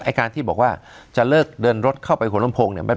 ไอ้การที่บอกว่าจะเลิกเดินรถเข้าไปขนมพงศ์เนี่ย